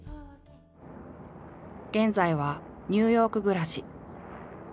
現在はニューヨーク暮らし。